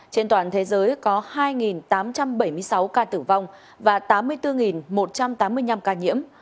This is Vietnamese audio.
trên toàn thế giới có hai tám trăm bảy mươi sáu ca tử vong và tám mươi bốn một trăm tám mươi năm ca nhiễm